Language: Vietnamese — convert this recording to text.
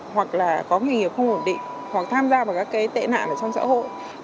hoặc là có nghề nghiệp không ổn định hoặc tham gia vào các tệ nạn trong xã hội